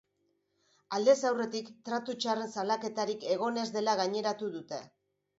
Aldez aurretik tratu txarren salaketarik egon ez dela gaineratu dute.